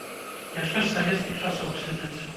Яшчэ з савецкіх часоў сядзяць.